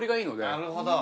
なるほど。